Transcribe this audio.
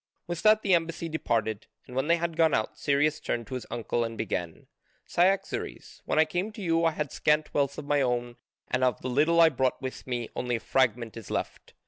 With that the embassy departed. And when they had gone out Cyrus turned to his uncle and began, "Cyaxares, when I came to you I had scant wealth of my own and of the little I brought with me only a fragment is left.